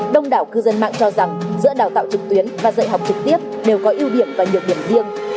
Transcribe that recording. đông đảo cư dân mạng cho rằng giữa đào tạo trực tuyến và dạy học trực tiếp đều có ưu điểm và nhược điểm riêng